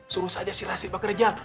suruh saja si rasif bekerja